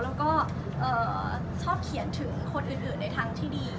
แล้วก็ชอบเขียนถึงคนอื่นในทางที่ดี